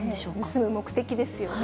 盗む目的ですよね。